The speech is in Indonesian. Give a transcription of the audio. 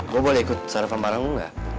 mau boleh ikut sarapan bareng lo gak